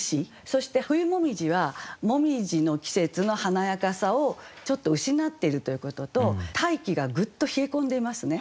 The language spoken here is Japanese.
そして「冬紅葉」は紅葉の季節の華やかさをちょっと失っているということと大気がグッと冷え込んでいますね。